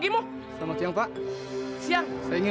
ini nih yang begini